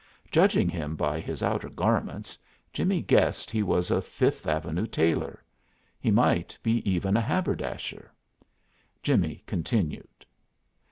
Judging him by his outer garments, Jimmie guessed he was a Fifth Avenue tailor; he might be even a haberdasher. Jimmie continued.